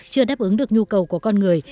chưa đáp ứng được nhu cầu của con người